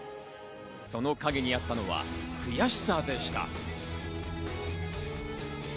その陰にあったのは悔しさでした。